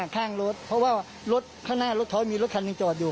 ข้างรถเพราะว่ารถข้างหน้ารถท้อยมีรถคันหนึ่งจอดอยู่